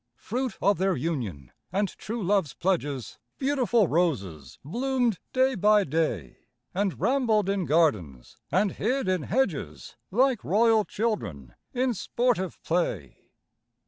Fruit of their union and true love's pledges, Beautiful roses bloomed day by day, And rambled in gardens and hid in hedges Like royal children in sportive play.